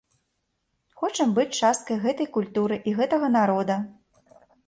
Хочам быць часткай гэтай культуры і гэтага народа.